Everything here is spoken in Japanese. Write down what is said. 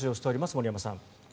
森山さん。